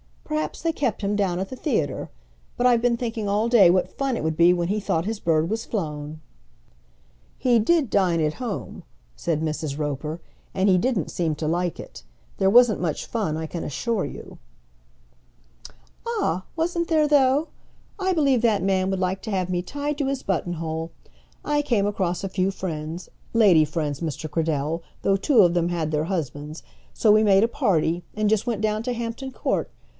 Perhaps they kept him down at the theatre. But I've been thinking all day what fun it would be when he thought his bird was flown." "He did dine at home," said Mrs. Roper; "and he didn't seem to like it. There wasn't much fun, I can assure you." "Ah, wasn't there, though? I believe that man would like to have me tied to his button hole. I came across a few friends, lady friends, Mr. Cradell, though two of them had their husbands; so we made a party, and just went down to Hampton Court.